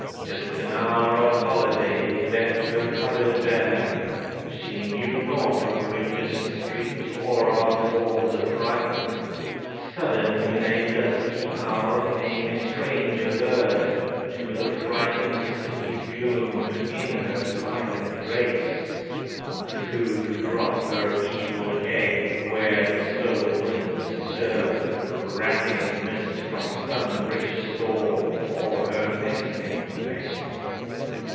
Just an hour of holiday left her cupboard bare, She knew naught of Regent Street or of war's affright. Sudden in a dusky hour came a stranger bird, To the frightened city's gloom, in her silent race Flew to drop her evil egg where the slow winds stirred Wrapping mist from some rich store for her nesting place.